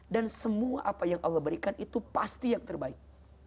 dan semua apa yang allah berikan itu pasti yang terbaik